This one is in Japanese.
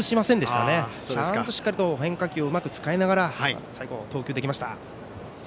しっかりと変化球をうまく使いながら最後、投球できました。